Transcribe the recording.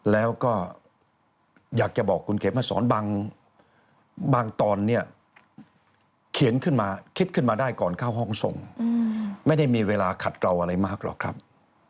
แล้วก็อยากจะบอกคุณเข็มมาสอนบางตอนเนี่ยเขียนขึ้นมาคิดขึ้นมาได้ก่อนเข้าห้องส่งไม่ได้มีเวลาขัดเกลาอะไรมากหรอกครับ